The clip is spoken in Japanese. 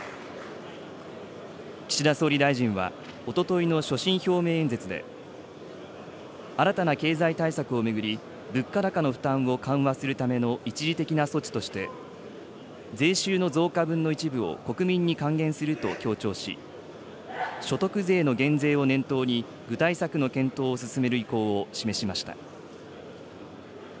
岸田総理大臣は、おとといの所信表明演説で、新たな経済対策を巡り、物価高の負担を緩和するための一時的な措置として、税収の増加分の一部を国民に還元すると強調し、所得税の減税を念頭に、具体策の検討を進める意向を示しました。